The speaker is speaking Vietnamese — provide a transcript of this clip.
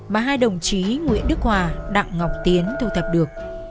mà hai đồng chí nguyễn đức hòa đặng ngọc tiến thu thập được